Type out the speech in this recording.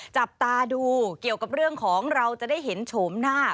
จับตาดูเกี่ยวกับเรื่องของเราจะได้เห็นโฉมหน้า